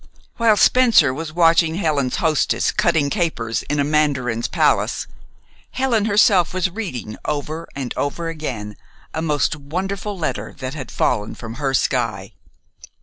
While Spencer was watching Helen's hostess cutting capers in a Mandarin's palace, Helen herself was reading, over and over again, a most wonderful letter that had fallen from her sky.